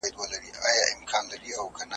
تر څو به له پردیو ګیله مني لرو ژبي ,